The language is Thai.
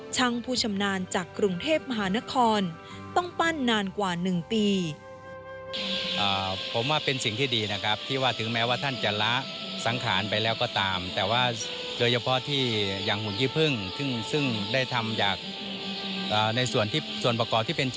ช่างผู้ชำนาญจากกรุงเทพมหานครต้องปั้นนานกว่า๑ปี